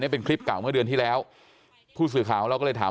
นี้เป็นคลิปกล่าวเมื่อเดือนที่แล้วผู้สื่อข่าวแล้วก็เลยถาม